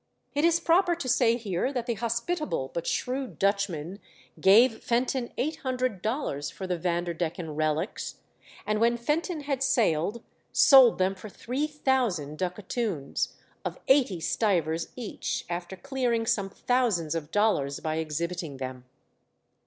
It is proper to say here that the hospitable but shrewd Dutchman gave Fenton eight hundred dollars for the Vanderdecken relics, and when Fenton had sailed, sold them for three thousand ducatoons, of eighty stivers each, after clearing some thousands of dollars by exhibiting them.